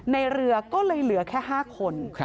ในเรือก็เลยเหลือแค่๕คน